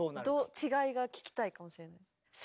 違いが聴きたいかもしれないです。